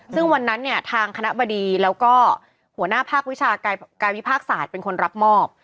ซึ่งวันนั้นเนี่ยทางคณะบดีแล้วก็หัวหน้าภาควิชาการวิพากษศาสตร์เป็นคนรับมอบ